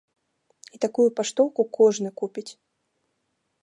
І такую паштоўку кожны купіць.